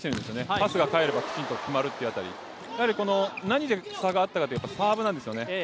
パスが返ればきちんと決まるという辺り、何で差があったかというとサーブなんですよね